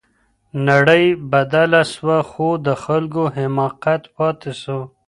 نړۍ بدله سوه خو د خلګو حماقت پاتې سو.